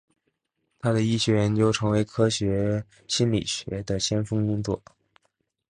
他的医学研究成为科学心理学的先锋工作。